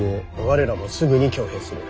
我らもすぐに挙兵する。